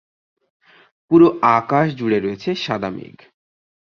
পুরো আকাশ জুড়ে রয়েছে সাদা মেঘ।